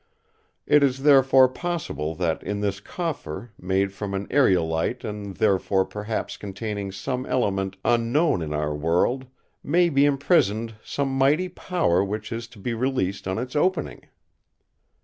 It is therefore possible that in this Coffer, made from an aerolite and therefore perhaps containing some element unknown in our world, may be imprisoned some mighty power which is to be released on its opening."